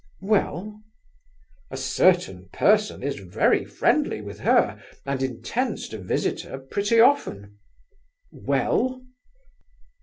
"Well?" "A certain person is very friendly with her, and intends to visit her pretty often." "Well?"